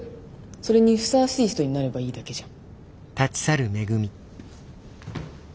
それにふさわしい人になればいいだけじゃん。